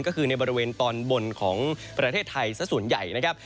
ก็คือในบริเวณตอนบนของประเทศไทยสักส่วนใหญ่นะครับ